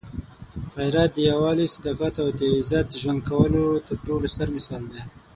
غیرت د یووالي، صداقت او د عزت ژوند کولو تر ټولو ستر مثال دی.